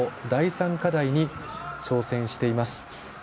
第３課題に挑戦しています。